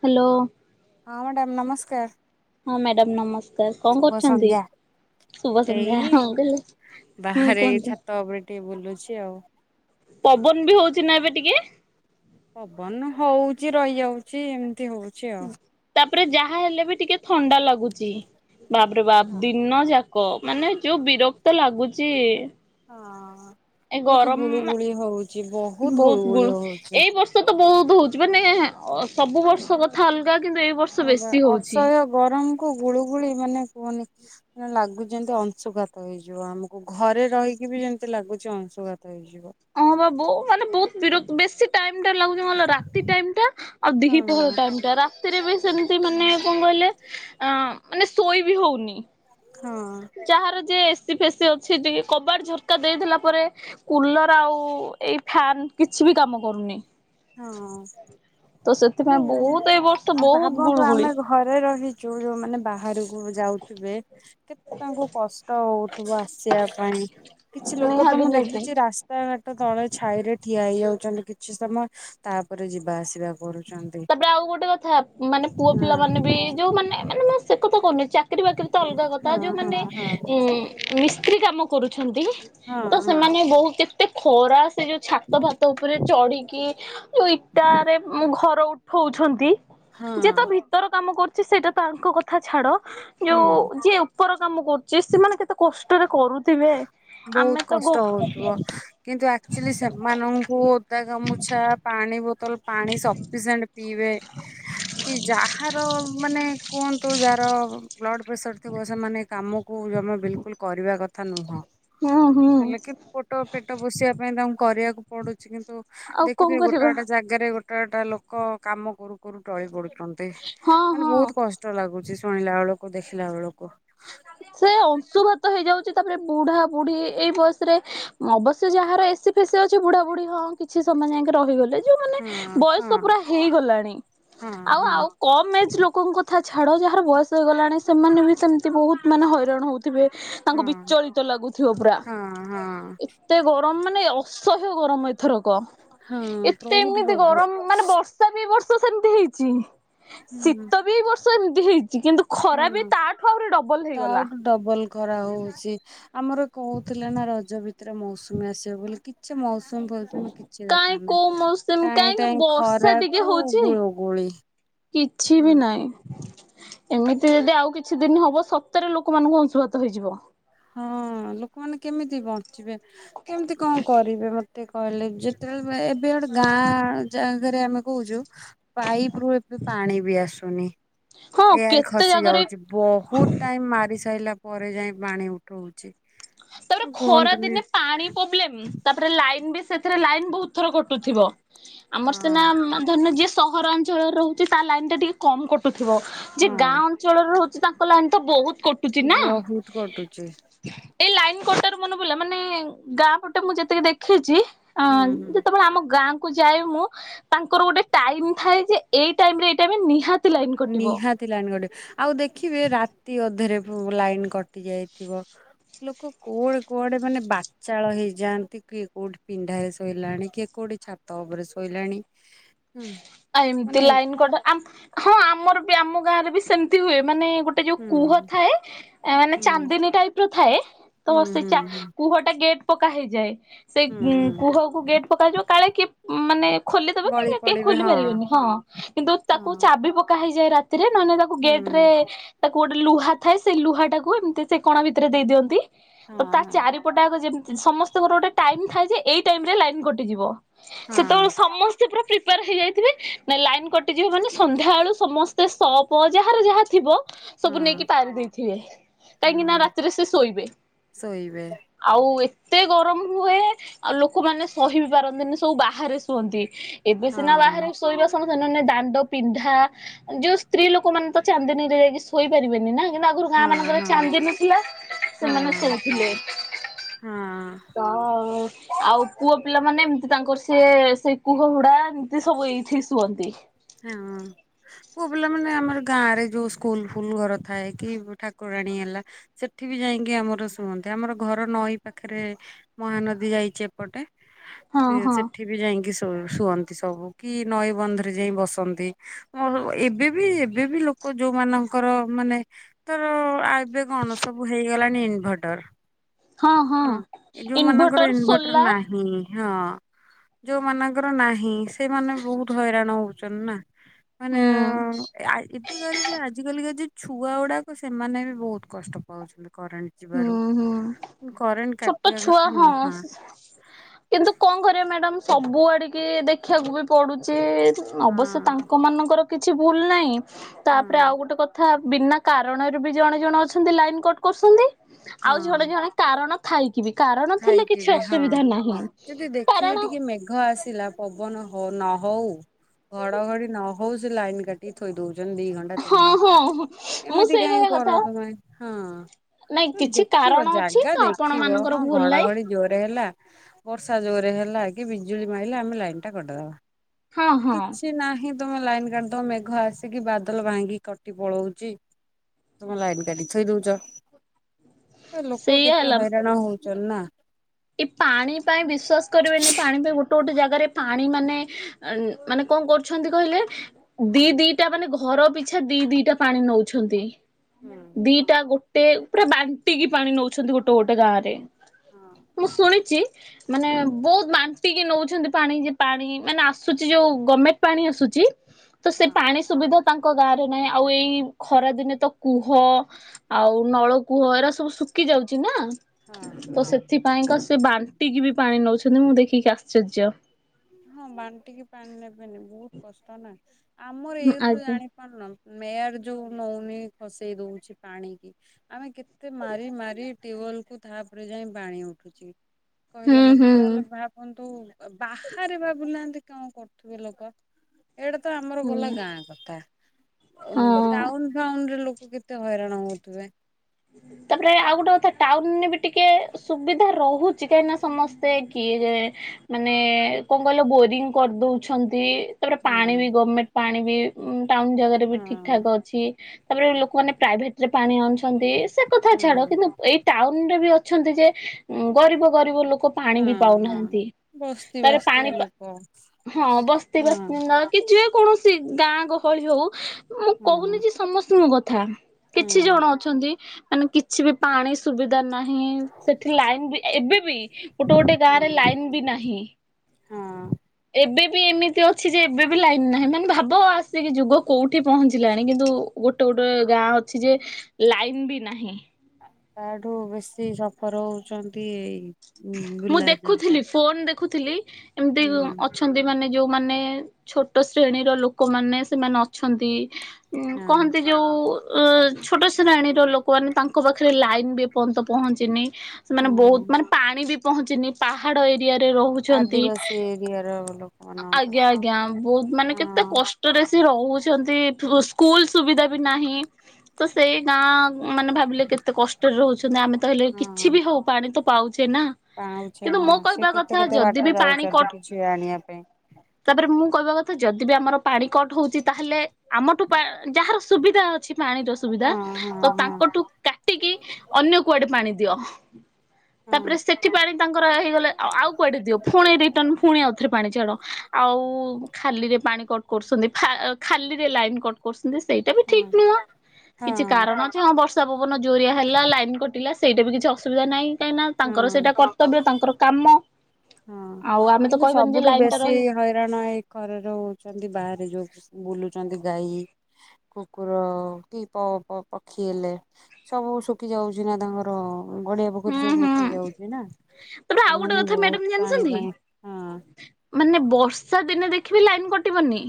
Hello. ହଁ madam ନମସ୍କାର। ହଁ ମ୍ୟାଡାମ ନମସ୍କାର କଣ ଶୁଭ କରୁଛନ୍ତି। ସନ୍ଧ୍ୟା। ଶୁଭ ସନ୍ଧ୍ୟା ଏଇ ହଁ କହିଲେ ହୁଁ ବାହାରେ ଏଇ କୁହନ୍ତୁ। ଛାତ ଉପରେ ଟିକେ ବୁଲୁଛି ଆଉ। ପବନ ବି ହଉଛି ନା ଏବେ ଟିକେ। ପବନ ହଉଛି ରହିଯାଉଛି ଏମିତି ହଉଛି ଆଉ। ଉପରେ ଯାହା ହେଲେ ବି ଟିକେ ଥଣ୍ଡା ଲାଗୁଛି ବାପରେ ବାପ ହଁ। ଦିନ ଯାକ। କ ମାନେ ଯୋଉ ବିରକ୍ତ ଲାଗୁଛି। ହଁ। ଏ ବହୁତ ଗରମ ମା ଗୁଳୁଗୁଳି ହଉଛି ବହୁତ ଗୁଳୁଗୁଳି ଗୁଳୁ ହଉଛି। ଏଇ ବର୍ଷ ତ ବହୁତ ହଉଚି ମାନେ। ଅ ସବୁ ବର୍ଷ କଥା ଅଲଗା କିନ୍ତୁ ଏଇ ବର୍ଷ ବେଶୀ ହଉଛି। ଗୁଳୁ ଗୁଳି ମାନେ କୁହନି ଲାଗୁଛି ଯେମିତି ଅଂଶୁଘାତ ହେଇଯିବ ଆମକୁ। ଘରେ ରହିକି ବି ଯେମତି ଲାଗୁଛି ଅଂଶୁଘାତ ହେଇଯିବ। ହଁ ବା ବହୁ ମାନେ ବହୁତ ବିରତ ବେଶୀ ଟାଇମ। [inaudible] ରାତିି ଟାଇମ୍ ଟା ଆଉ ହଁ ଦିହିପହର ଟାଇମ୍ ଟା। ସେଥିରେ ବି ସେମିତି ମାନେ କଣ କହିଲେ ଅ ମାନେ ଶୋଇ ବି ହଉନି। ହଁ। ଯାହାର ଯେ ଏସି ଫେସି ଅଛି ଟିକେ କବାଟ ଝରକା ଦେଇ ଦେଲା ପରେ କୁଲର ଆଉ ଏଇ ଫ୍ୟାନ୍। କିଛି ବି କାମ କରୁନି। ତ ହଁ ସେଥିପାଇଁ ବହୁତ ଏଇ ବର୍ଷ ବହୁତ ଭାବନ୍ତୁ ଗୁଳୁଗୁଳି ଆମେ ଘରେ ରହିଛୁ। ଯୋଉ ଯୋଉମାନେ ବାହାରକୁ ଯାଉଥିବେ କେତେ ତାଙ୍କୁ କଷ୍ଟ ହଉଥିବ ଆସିବାକୁ। ପାଇଁ କିଛି ଲୋକ ତ ମୁଁ ନିହାତି ନିହାତି। ଦେଖିଛି ରାସ୍ତା ଘାଟ ତଳେ ଛାଇ ରେ ଠିଆ ହେଇଯାଉଛି। କିଛି ସମୟ ତାପରେ ଯିବା ଆସିବା। କରୁଛନ୍ତି ତାପରେ ଆଉ ଗୋଟେ କଥା ମାନେ ପୁଅ ହଁ ପିଲା ମାନେ ବି ଯୋଉ ମାନେ ମାନେ ସେ କଥା କହୁନି। ଚାକିରୀ ବାକିରିୀ ତ ଅଲଗା କଥା ହଁ ହଁ ଯୋଉମାନେ ହଁ ଉଁ ମିସ୍ତ୍ରୀ କାମ କରୁଛନ୍ତି। ହଁ ନ୍ତି ହଁ ସେମାନେ ବହୁତ କେତେ ଖରା ସେ ଯୋଉ ଛାତ ଭାତ ଉପରେ ଚଢିକି ଯୋଉ ଇଟାରେ ଘର ଉଠ ହଉଛନ୍ତି ଯେ ତ ହଁ ଭିତର କାମ କରୁଛି ସେଇଟା ତାଙ୍କ କଥା ଛାଡ। ହୁଁ ଯୋଉ ଯିଏ ଉପର କାମ କରୁଛି ସେମାନେ କେତେ କଷ୍ଟରେ କରୁଥିବେ। ଆମେ ବହୁତ ତ ଗୋ କଷ୍ଟ ହଉଥିବ କିନ୍ତୁ ଆକ୍ଚୁଲି ସେମାନଙ୍କୁ ଓଦା ଗାମୁଛା ପାଣି। ବୋତଲ ପାଣିି ସଫିସିଏଣ୍ଟ ପିଇ। କି ଯାହାର ମାନେ କୁହନ୍ତୁ ଯାହାର ବ୍ଲଡ ପ୍ରେସର ଥିବ ସେମାନେ କାମକୁ ଜମା ବିଲକୁଲ କରିବା କଥା ନୁହଁ ହୁଁ ହୁଁ ହେଲେ କିୁ ପୋଟ ପେଟ ବୋଷିବା ପାଇଁ ତାଙ୍କୁ କରିବାକୁ ପଡୁଛି କିନ୍ତୁ। ଆଉ କଣ ଦେଖଥିବେ ଗୋଟେ କରିବା ଗୋଟେ ଜାଗାରେ ଗୋଟେ ଗୋଟେ ଲୋକ କାମ କରୁ କରୁ ଟଳି ପଡୁଛ ଚନ୍ତି, ହଁ ମାନେ ହଁ ବହୁତ କଷ୍ଟ ଲାଗୁଚି ଶୁଣିଲା ବେଳକୁ ଦେଖିଲା ବେଳକୁ। ସେ ଅଂଶୁଘାତ ହେଇଯାଉଚି। ତାପରେ ବୁଢା ବୁଢୀ ଏଇ ବୟସରେ ଅବଶ୍ୟ ଯାହାର ଏସି ଫେସି ଅଛି ବୁଢା ବୁଢୀ ହଁ କିଛି ସ ମାନେଙ୍କେ ରହିଗଲେ ଯୋଉ ମାନେ ହଁ ହଁ ବୟସ ପୁରା ହେଇଗଲାଣି ହଁ ଆଉ ହଁ ଆଉ କମ୍ ଏଜ ଲୋକ ଲୋକଙ୍କ କଥା ଛାଡ ଯାହାର ବୟସ ହେଇଗଲାଣି ସେମାନେ ବି ସେମିତି ବହୁତ ମାନେ ହଇରାଣ ହଉ ଥିବେ, ହଁ ତାଙ୍କୁ ବିଚଳିତ ଲାଗୁଥିବ ପୁରା ହଁ ହଁ ଏତେ ଗରମ। ଗରମ ମାନେ ଅସହ୍ୟ ଗରମ ଏଥର। କ ହଁ ଏତେ ବହୁତ ଏମିତି ପ୍ରବଳ ଗରମ ମାନେ ବର୍ଷା ବି ବର୍ଷ ସେମିତି ହେଇଚି। ହୁଁ ଶୀତ ବି ବର୍ଷ ଏମିତି ହେଇଚି କିନ୍ତୁ ଖରା ହଁ। ବି ତା ତା ଆଠୁ ଡବଲ ଖରା ହଉଛଚି ଆମ୍ ଆମର କହୁଥିଲେ ନା ରଜ ଭିତରେ ମୌସୁମୀ ଆସିବ ବୋଲି କିଛି ଛି ମୌସୁମୀ ଫସୁମୀ କିଛି କାଇଁ ଦେଖା କୋଉ ନାହିଁ, ମୌସୁମୀ ଟାଇଁ କାହିଁକି ଟାଇ ବର୍ଷା ଟିକେ ଖରାକୁ ହଉଛି ଗୁଳୁ ଗୁଳି। କିଛି ବି ନାହିଁ। ଏମିତି ଯଦି ଆଉ କିଛି ଦିନ ହବ ସତରେ ଲୋକମାନଙ୍କୁ ଅଂଶୁଘାତ ହେଇଯିବ। ହଁ ଲୋକମାନେ କେମିତି ବଞ୍ଚିବେ କେମିତି କଣ କରିବେ ମତେ କହିଲେ ଯେତେ। ଏବେ ଗୋଟେ ଗାଁ ଜାଗାରେ ଆମେ କହୁଚୁ ପାଇପ। ରୁ ଏବେ ପାଣି ବି ଆସୁନି, ହଁ ଏୟାର କେତେ ଖସି ଜାଗାରେ ଯାଉଚି, ବହୁତ ଟାଇମ ମାରି ସା ସାଇଲା ପରେ ଯାଇ ପାଣି ଉଠଉଚି। ତାପରେ ଖରା ଦିନେ ପାଣି ପୋବ୍ଲେମ ତାପରେ ଲାଇନ୍ ବେଶୀ ସେଥିରେ ଲାଇନ ବହୁତଥର କଟୁଥିବ, ଆମର ସିନା ହଁ ଉଁ ଧରିନିଅ ଜିଏ ସ୍ ସହରାଞ୍ଚଳରେ ରହୁଛି ତା ଲାଇନ ଟା ଟିକେ କମ କଟୁଥିବ ଯେ ହଁ ଗାଁ ଅଞ୍ଚଳରେ ରହୁ ତାଙ୍କ ଲାଇନ୍ ତ ବହୁତ କଟୁଛି ନା। ବହୁତ କଟୁଛି। ଏଇ ଲାଇନ କଟାରୁ ମନେପଡିଲା, ମାନେ ଗାଁପଟେ ମୁଁ ଯେତକି ଦେଖିଚି ଅଁ ହୁଁ ହୁଁ ଯେତେବେଳେ ଆମ ଗାଁ କୁ ଯାଏ ମୁଁ, ତାଙ୍କର ଗୋଟେ ଟାଇମ ଥାଏ ଯେ ଏଇ ଟାଇମରେ ଏଇ ଟାଇମ୍ ରେ ନିହା ନିହାତି ଲାଇନ କଟେ, ଆଉ ଦେଖିବେ ରାତି ଅଧେରେ ଉ ଲାଇନ କଟି ଯାଇଥିବ। ଲୋକ କୋଆଡେ କୁଆଡେ ମାନେ ବାଚାଳ ହେଇଯାଆନ୍ତି କିଏ କୋଉଠି ପିଣ୍ଡାରେ ଶୋଇଲାଣି, କିଏ କୋଉଠି ଗୋଟେ ଛାତ ଉପରେ ଶୋଇଲାଣି। ହୁଁ ଆ ଏମିତି ମାନେ ଲାଇନକଟେ, ଆ ହଁ ଆମର ବି ଆମ ଗାଁରେ ବି ସେମିତି ହୁଏ ମାନେ ଗୋଟେ ଯୋଉ ହୁଁ କୁହ ଥାଏ ମାନେ ହୁଁ ଚାନ୍ଦିନୀ ଟାଇପର ଥାଏ। ତ ହୁଁ ସେ ହୁଁ ଚା ହୁଁ କୁହଟା ଗେଟ୍ ପକା ହେଇଯାଏ ସେଇ ହୁଁ ଉଁ ହୁଁ କୁହକୁ ଗେଟ୍ ପକା ଯିବ କାଳେ କିଏ ମାନେ ଖୋଲିଦବକି ଗଳି ଗେଟ୍ କେହି ପଡିବେ ଖୋଲି ହଁ ପାରିବେନି ହଁ, କିନ୍ତୁ ହଁ ତାକୁ ଚାବିପକା ହେଇଯାଏ ରାତିରେ, ନହଲେ ତାକୁ ହୁଁ ଗେଟ ରେ ଗୋଟେ ଲୁହା ଥାଏ, ସେ ଲୁହାଟାକୁ ଏମିତି ସେ କଣଭିତରେ ଦେଇିଦିଅନ୍ତି। ହଁ ତ ତା ହଁ ଚାରିପଟାକ ଯେମତି, ସମସ୍ତଙ୍କର ଗୋଟେ ଟାଇମ ଥାଏ ଯେ ଏଇ ଟାଇମରେ ଲାଇନ କଟିଯିବ। ହଁ ସେତେବେଳେ ସମସ୍ତେ ପୁରା ପ୍ରି ପେର ହେଇଯାଇଥିବେ ଲାଇନ କଟିଯିବ ମାନେ ସନ୍ଧ୍ୟାବେଳୁ ସମସ୍ତେ ସପ ଯାହାର ଯାହା ଥିବ ସବୁ ହଁ ନେଇକି ପାରି ଦେଇଥିବେ, କାହିଁକି ନା ହଁ ରାତିରେ ସେ ଶୋଇବେ। ଶୋଇବେ ଆଉ ଏ ଏତେ ଗରମ ହୁଏ, ଆଉ ଲୋକମାନେ ସହି ବି ପାରନ୍ତିନି ସବୁ ବାହାରେ ଶୁଅନ୍ତି। ଏବେ ସିନା ହଁ ବାହାରେ ଶୋଇବା ସମ ସେ ନେ ନେ ଦାଣ୍ଡ ପିନ୍ଧା, ଯୋଉ ସ୍ତ୍ରୀ ଲୋକମାନେତ ଚାନ୍ଦିନୀରେ ଯାଇକି ଶୋଇପାରିବେନି ନା କିନ୍ତୁ ଆଗରୁ ହଁ ଗାଁମାନଙ୍କର ହଁ ଚାନ୍ଦିିନଥିଲା ହଁ ସେମାନେ ଶୋଉଥିଲେ। ହଁ ତ ଆଉ ପୁଅପିଲା ମାନେ ଏମିତି ତାଙ୍କର ସେ ସେଇ, କୂହ ହୁଡା ଏମିତି ସବୁ ଏଇଥିି ଶୁଅନ୍ତି। ହଁ ପୁଅପିଲାମାନେ ଆମର ଗାଁ ରେ ଯୋଉ ସ୍କୁଲଫୁଲ ଘର ଥାଏ କି ଠାକୁର ପ୍ରଣୀ ହେଲା ସେଠିବି ଯାଇକି ଆମର ଶୁଣନ୍ତି ଆମର ଘର ନଈ ପାଖରେ ମହାନଦୀ ଯାଇ ସେପଟେ ହଁ ହଁ। ସେଠିବି ଯାଇକି ଶୁଅନ୍ତି ସବୁ, କି ନଈବନ୍ଧରେ ଯାଇ ବସନ୍ତି ମୋର ଏବେ ବି, ଏବେ ବି ଲୋକ ଯୋଉମାନଙ୍କର ମାନେ ତର ଅ ଏବେ କଣ ସବୁ ହେଇଗଲାଣି ଇନଭଟର ହଁ ଏ ଯୋଉମାନଙ୍କର ଇନଭଟର ନାହିଁ ହଁ ଯୋଉମାନଙ୍କର ନାହିଁ ସେଇମାନେ ବହୁତ ହଇରାଣ ହଉଛନ୍ତି ନା। ମାନେ, ହୁଁ ଆ ଏବେ କହିଲେ ଯେ ଆଜି କାଲିକା ଯ ଛୁଆ ଗୁଡାକ ସେମାନେ ବି ବହୁତ କଷ୍ଟ ପାଉଛନ୍ତି କରେଣ୍ଟ ଯିବାରୁ। ହୁଁ ହୁଁ କରେଣ୍ଟ ଛୋଟ କାଟିବା ଛୁଆ କଥା ହଁ, ନୁହଁ କିନ୍ତୁ କଣ କରିଆ ମ୍ୟାଡମ୍? ସବୁଆଡ଼ିକି ଦେଖିଆକୁ ବି ପଡ଼ୁଛି ହଁ ଅବଶ୍ୟ ତାଙ୍କମାନଙ୍କର କିଛି ଭୁଲ ନାହିଁ, ହଁ ତାପରେ ଆଉ ଗୋଟେ କଥା ବିନା କାରଣରୁ ବି ଜଣେ ଜଣେ ଅଛନ୍ତି ଲାଇନକଟ କରୁଛନ୍ତି, ଆଉ ଜଣେ ହଁ। ଜଣେ କାରଣ ଥାଇ କି ବି କାରଣ ଥିଲେ ଥାଇକି କିଛି ବି ହଁ ଅସୁବିଧା ନାହିଁ, ଯଦି ଦେଖିଲେ କାରଣ ଟିକେ ମେଘ ଆସିଲା ପବନ ହଉ ନହଉ, ଘଡଘଡି ନ ହଉ ସେ ଲାଇନ କାଟିିକି ଥୋଇ ଦଉ ଚନ୍ତି ଦି ଘଣ୍ଟା ହଁ ତିନି ଘଣ୍ଟା, ହଁ ମୁଁ ଏମିତି ସେଇ କାହିଁ କହିବା କଥା କର ତୁମେ ନାଇଁ ହଁ କିଛି ଦେଖିବ କାରଣ ଅଛି ଜାଗା ତ ଆପଣ ଦେଖିବ ମାନଙ୍କର ହଁ ହଁ ଭୁଲ ନାହିଁ ଘଡଘଡି ଜୋରରେ ହେଲା, ବର୍ଷା ଜୋରେ ହେଲା କି ବିଜୁଳି ମାଇଲା ଆମେ ଲାଇନ ଟା କଟଦବା। ହଁ ହଁ କିଛି ନାହିଁ ତମେ ଲାଇନ କାଟିଦବ ମେଘ ଆସିକି ବାଦଲ ଭାଙ୍ଗିକି କଟିପଳଉଚି ତମେ ଲାଇନ କାଟିକି ଥୋଇଦଉଛ, ଲୋକ ସେଇଆ କେତେ ହେଲା ହଇରାଣ ହଉଚନ୍ତି ନା! ଏ ପାଣି ପାଇଁ ବିଶ୍ଵାସ କରିବେନି ପାଣି ପାଇଁ ଗୋଟେ ଗୋଟେ ଜାଗାରେ ପାଣି ମାନେ, ଅ ମାନେ କଣ କରୁଛନ୍ତି କହିଲେ ଦି ହୁଁ। ଦିଟା ମାନେ ଘ ଘର ପିଛା ଦି ଦିଟା ପାଣି ନଉଛନ୍ତି ହଁ ଦିଟା ଗୋ ଟେ ପୁରା ବାଣ୍ଟିକି ପାଣି ନଉଛନ୍ତି ଗୋଟେ ଗୋଟେ ଗାଁ ରେ। ମୁଁ ଶୁଣିଛି ମାନେ ବହୁତ ବାଣ୍ଟିକି ନଉଛନ୍ତି ପାଣି ଯେ ପାଣି ମାନେ ଆସୁଛି ଯୋଉ ଗମେଣ୍ଟ ପାଣି ଆସୁଛି ତ ସେ ହଁ ପାଣି ସୁବିଧା ତାଙ୍କ ଗାଁ ରେ ନାହିଁ ଆଉ ଏଇ ଖରା ଦିନେ ତ କୂହ ଆଉ ନଳ କୂହ ଏରା ସ ବୁ ଶୁକିଯାଉଛି ନା ହଁ ତ ସେ ଥିପାଇଁକା ସେ ବାଣ୍ଟିକି ବି ପାଣି ନଉଛନ୍ତି ମୁଁ ଦେଖିକି ଆଶ୍ଚର୍ଯ୍ୟ। ହଁ ବାଣ୍ଟିକି ପାଣି ନେବେନି ବହୁତ କଷ୍ଟ ନା। ଆମର ହୁଁ ଏଇଥିରୁ ଆଜ୍ଞା ଜାଣି ପାରୁନ ମେୟାର ଯୋଉ ନଉନି ଖସେଇ ଦଉଛି ପାଣି କି ଆମେ କେତେ ମାରି ମାରି ଟ୍ୟୁବ୍ ବଲ୍ କୁ ତା ଉପରେ ଯାଇଁ ପାଣି ଉଠୁଛି, ହୁଁ କହିଲେ ମତେ ତାହେଲେ ହୁଁ ଭାବନ୍ତୁ ବାହା ରେ ଭାବୁନାହାନ୍ତି କଣ କରୁଥିବେ ଲୋକ? ଏଇଟା ତ ଆମର ଗଲା ଆଜ୍ଞା ଗାଁ କଥା ଅ ହଁ। ଟାଉନ ଫାଉନରେ ଲୋ କ କେତେ ହଇରାଣ ହଉଥିବେ? ତାପରେ ଆଉ ଗୋଟେ କଥା ଟାଉନରେ ବି ଟିକେ ସୁବିଧା ରହୁ ଛି କାହିଁକି ନା ସମସ୍ତେ କିଏ ଯେ ମାନେ କଣ କହିଲ ବୋରିଂ କରିଦଉଛନ୍ତ ନ୍ତି ତାପରେ ପାଣି ହଁ ବି ଗଭର୍ଣମେଣ୍ଟ ପାଣି ବି ଟାଉନ ଜାଗାରେ ବି ଠିକ ହଁ ଠାକ ଅଛି। ତାପରେ ଲୋକମାନେ ପ୍ରାଇଭେଟରେ ପାଣି ଆଣୁଛନ୍ତି ସେ କଥା ଛାଡ ହଁ କିନ୍ତୁ ଏଇ ଟାଉନରେ ବି ଅଛନ୍ତି ଯେ ଉଁ ଗରିବ ଗରିବ ଲୋକ ପାଣି ବି ହଁ ହଁ। ପାଉନାହାନ୍ତି ବସ୍ତି ତାରେ ବାସ୍ତିଆ ପାଣି ପା ଲୋକ ହଁ ବସ୍ତି ହଁ ବାସିନ୍ଦା ହଉ କି ଯିଏ କୌଣସି ଗାଁ ଗହଳି ହଉ ମୁଁ କହୁନି ହଁ ଯେ ସମସ୍ତଙ୍କ କଥା କିଛି ହଁ। ଜଣ ଅଛନ୍ତି ମାନେ କିଛି ବି ପାଣି ସୁବି ଧା ନାହିଁ ସେଠି ଲାଇନ ବି ଏବେ ବି ଗୋଟେ ଗୋଟେ ଗାଁରେ ହୁଁ ଲାଇନ ବି ନାହିଁ। ହଁ ଏବେ ବି ଏମିତି ଅଛି ଯେ ଏବେ ବି ଲାଇନ ନାହିଁ ମାନେ ଭାବ ଆସିକି ଯୁଗ କୋଉଠି ପହଞ୍ଚିଲାଣି କିନ୍ତୁ ଗୋଟେ ଗୋଟେ ଗାଁ ଅଛି ଯେ ଲାଇନ ବି ନାହିଁ। ତାଠୁ ବେଶୀ ସଫର ହଉଛନ୍ତି ଏଇ ମୁଁ ବୁଲା ଜନ୍ତୁ ଦେଖୁଥିଲି ଫୋନ ଦେଖୁଥିଲି ଏମିତି ହୁଁ ଅଛନ୍ତି ମାନେ ଯୋଉମାନେ ଛୋଟ ଶ୍ରେଣୀର ଲୋକମାନେ ସେମାନେ ଅଛନ୍ତି ଉଁ ହଁ କହନ୍ତି ଯୋଉ ଉ ଛୋଟ ଶ୍ରେଣୀର ଲୋକମାନେ ତାଙ୍କ ପାଖରେ ଲାଇନ୍ ବି ଏପର୍ଯ୍ୟନ୍ତ ପହଞ୍ଚିନି। ସେମାନେ ହଁ। ବହୁତ ମାନେ ପାଣି ବି ପହଞ୍ଚିନି ପାହାଡ ଏରିଆରେ ରହୁଛନ୍ତି। ଆଦିବାସୀ ଏରିଆର ଲୋକମାନଙ୍କ ଆଜ୍ଞା ପାଖରେ ଆଜ୍ଞା, ବହୁତ ମାନେ କେତେ ହଁ କଷ୍ଟରେ ସେ ରହୁଛନ୍ତି, ସ୍କୁଲ ସୁବିଧା ବି ନାହିଁ, ତ ସେଇ ଗାଁ ମାନେ ଭାବିଲେ କେତେ କଷ୍ଟରେ ରହୁଛନ୍ତି, ଆମେ ତ ହେଲେ ହଁ। କିଛି ବି ହଉ ପାଣି ତ ପାଉଛୁ। ସେ ନା ପାଉଁଛେ କିନ୍ତୁ ହଁ ମୋ ସେ କହିବା କେତେ କଥା କେତେ ଯଦି ବାଟ ବି ପାଣି ଯାଉଛନ୍ତି କଟ କିଛି ଆଣିବା ପାଇଁ ତାପରେ, ମୁଁ କହିବା କଥା ଯଦି ବି ଆମର ପାଣି କଟ ହଉଛି, ତାହେଲେ ଆମଠୁ ଯାହାର ସୁବିଧା ଅଛି ପାଣିର ସୁବିଧା, ହଁ ହଁ ତ ହଁ। ତାଙ୍କଠୁ କାଟିକି ଅନ୍ୟ କୁଆଡେ ପାଣି ଦିଅ। ତାପରେ ସେଠି ପାଣି ତାଙ୍କର ହେଇଗଲେ, ଆଉ କୁଆଡେ ଦିଅ, ପୁଣି ରିଟର୍ଣ ପୁଣି ଆଉଥରେ ପାଣି ଛାଡ଼ ଆଉ ଖାଲିରେ ପାଣି କଟ କରୁଛନ୍ତି, ଖାଲିରେ ଲାଇ କଟ କରୁ ସେଇଟା ବି ହଁ ଠିକ ନୁହଁ, କିଛି ହଁ କାରଣ ହଁ ବର୍ଷ ପବନ ଜୋରିଆ ହେଲା, ଲାଇନ କଟା, ସେଇଟା ବିଛି ଅସୁବିଧା ନାହିଁ, କାହିଁ ହଁ ତାଙ୍କର ହଁ। ସେଇଟା କର୍ତ୍ତବ୍ୟ, ତାଙ୍କର କାମ ହଁ ଆଉ ଆମେ ତ କିନ୍ତୁ କହିବାନି ଯେ ସବୁଠୁ ଲାଇନ ଟା ବେଶୀ ରହି ହଇରାଣ ଏଇ ଘର ରହୁଛନ୍ତି, ବାହାରେ ଯୋଉ ବୁଲୁ କରଛନ୍ତି ଗାଈ କୁକୁର କି ପକ୍ଷୀ ହେଲେ, ସବୁ ଶୁଖି ଯାଉଛି ନା ତାଙ୍କର ଗଡିଆ ହୁଁ ପୋଖରୀ ସବୁ ହୁଁ ରୋକି ଯାଉଛି ନା ତାପରେ ଆଉ ଗୋଟେ ସେମାନେ କଥା ମ୍ୟାଡାମ ବହୁତ ପାଣି ଜାଣିଛନ୍ତି ହଁ ମାନେ ବର୍ଷା ଦିନେ ଦେଖିବି ଲାଇନ କଟିବନି?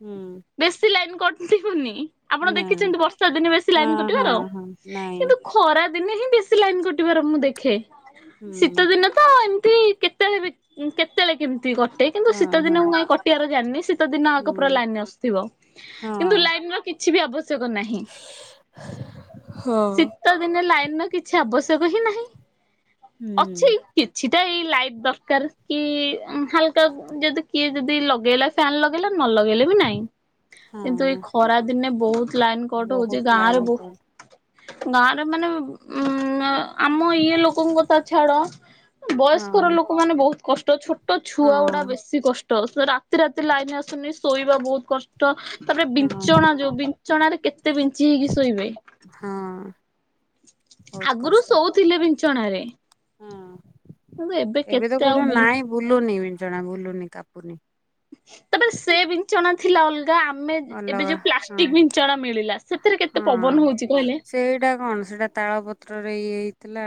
ହୁଁ ବେଶୀ ଲାଇନ୍ କଟିବନି। ଆପଣ ନା। ଦେଖିଛନ୍ତି ବର୍ଷା ଦିନେ ବେଶୀ ହଁ ଲାଇନ୍ ହଁ କଟିବାର ହଁ ନାଇଁ କିନ୍ତୁ ଖରା ଦିନେ ହିଁ ବେଶୀ ଲାଇନ କଟିବାର ମୁଁ ଦେଖେ, ହୁଁ ଶୀତ ଦିନେ ତ ଏମ କେତେବେଳେ ବି, କେତେବେଳେ କେମିତି ଦୁଇ କଟେ କିନ୍ତୁ ହଁ ଶୀତ ଦିନ ହଁ ମୁଁ କା କଟିବାର ଜାଣିନି, ଶୀତ ଦିନ ଆ ପୁର ହୁଁ ଲାନି ଥ କିନ୍ତୁ ହଁ। ଲାଇନ ର କିଛି ବି ଆବଶ୍ୟକ ନାହିଁ, ହଁ। ଶୀତ ଦିନେ ଲାଗ କିଛି ଆବଶ୍ୟକ ହିଁ ନାହିଁ, ଅଛି ହୁଁ କିଛି ଏଟା ଏଇ ଲାଇଟ ଦରକାର, କି, ହାଲକା ଯଦି କିଏ ଯଦି ଲଗେଇଲା ଫ୍ୟାନ ଲଗେଇଲା ନ ଲଗେଇଲେ ବି ନାଇଁ କିନ୍ତୁ ଏଇ ହଁ ଖରା ଦିନେ ବହୁତ ଲାଇନି କଟ ହଉଛି, ବହୁତ ଗାଁରେ ଲାଇନ ବହୁତ କଟ ଗାଁରେ ମାନେ ଉ ଆମ ଇଏ ଲୋକଙ୍କ ତା ଛାଡ, ବୟସ୍କର ହଁ ଲୋକମାମା ନେ ବହୁତ କଷ୍ଟ। ଛୋଟ ତ ଛୁଆ ଗୁଡା ହଁ ବେଶୀ କଷ୍ଟ, ରାତି ରାତି ଲାଇନ ଆସୁନି, ଶୋଇବା ବହୁତ କଷ୍ଟ। ତାପରେ ହଁ ବିଞ୍ଚଣା ଯୋଉ, ବିଞ୍ଚଣା ରେ କେତେ ବିଞ୍ଚି ହେଇକି ଶୋଇବେ? ହଁ ବହୁତ ଆଗରୁ କଷ୍ଟ ଶଉଥିଲେ ବିଞ୍ଚଣା ରେ ହଁ, ଏବେ ତ, କେତେ ଆଉ କହୁଛନ୍ତି ବିଞ୍ଚ ନାଇଁ ବୁଲୁନି ବିଞ୍ଚଣା, ବୁଲୁନି କାପୁନି ତାପରେ, ସେ ବିଞ୍ଚଣା ଥିଲା ଅଲଗା ଆମେ ଏବେ ଅଲଗା ଯୋଉ ହଁ ପ୍ଲାଷ୍ଟିକ ବିଞ୍ଚଣା ମିଳିଲା, ସେଥିରେ କେତେ ପବନ ହଉଛି କହିଲେ? ସେଟା ତାଳ ପତ୍ରରେ ଇଏ ହେଇଥିଲା,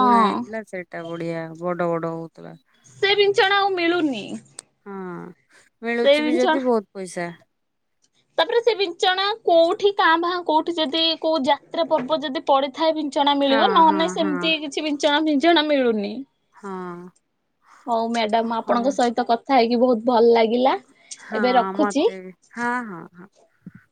ବୁଣା ହେଇଥିଲା, ସେଇଟା ବଢିଆ ବଡ ବଡ ହଉଥିଲା। ସେ ବିଛଣା ଆଉ ମିଳୁନି। ହଁ, ସେ ମିଳୁଛି ବି ବିଞ୍ଚଣା ଯଦି ବହୁତ ପଇସା। ତାପରେ ସେ ବିଛଣା କୋଉଠି କାଁ ଭାଁ କୋଉଠି ଯଦି କୋଉ ଯାତ୍ରା ପର୍ବ ଯଦି ପଡି କଥା ବିଞ୍ଚଣା ହଁ ମିଳିବ, ହଁ ନହେଲେଁ ହଁ ସେମିତି କିଛି ବିଞ୍ଚଣା ଫିଞ୍ଚଣା ମିଳୁନି। ହଁ ହଉ ମ୍ୟାଡାମ, ହଁ ଆପଣଙ୍କ ସହିତ କଥା ହେଇକି ବହୁତ ଭଲ ଲାଗିଲା। ହଁ ଏବେ ରଖୁଛି ମତେ ବି ହଁ ହଁ ହ